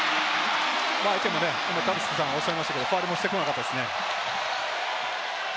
相手も田臥さんがおっしゃいましたけれども、ファウルしてこなかったですね。